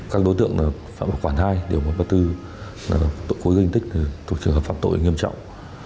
các đối tượng phạm ngọc quản hai đều có bất tư tội cố ý gây thương tích tổ chức hợp pháp tội nghiêm trọng